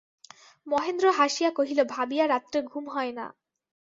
মহেন্দ্র হাসিয়া কহিল, ভাবিয়া রাত্রে ঘুম হয় না।